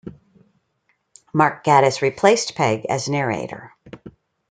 Mark Gatiss replaced Pegg as narrator.